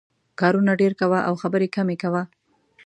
کارونه ډېر کوه او خبرې کمې کوه.